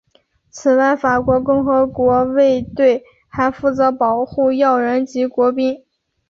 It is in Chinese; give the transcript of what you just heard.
此外法国共和国卫队还负责保护要人及国宾。